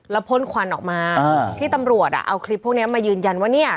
แล้วพ่นควันออกมาที่ตำรวจอ่ะเอาคลิปพวกนี้มายืนยันว่าเนี่ย